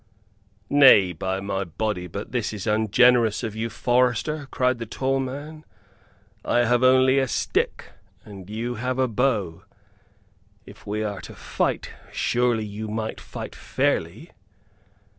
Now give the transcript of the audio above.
"Nay, by my body, but this is ungenerous of you, forester," cried the tall man. "I have only a stick and you have a bow! If we are to fight, surely you might fight fairly."